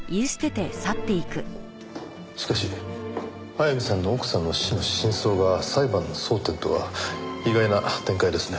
しかし早見さんの奥さんの死の真相が裁判の争点とは意外な展開ですね。